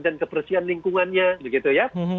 dan kebersihan lingkungannya begitu ya